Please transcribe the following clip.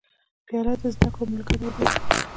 پیاله د زده کړو ملګرې ده.